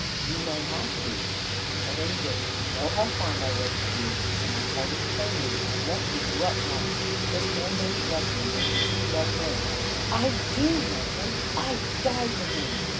"You may have to. At any rate, you know how fond I was of you, and I tell you plainly, I won't give you up now. This man doesn't love you, nor do you love him " "I DO love him, I'd die for him!